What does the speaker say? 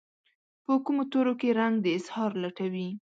په کومو تورو کې رنګ د اظهار لټوي